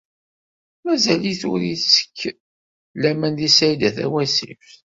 Mazal-it ur itteg laman deg Saɛida Tawasift.